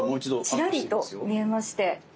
ちらりと見えまして。